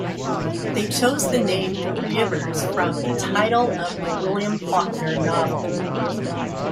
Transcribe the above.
They chose the name "The Reivers" from the title of the William Faulkner novel.